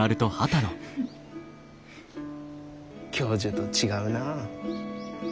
教授と違うな。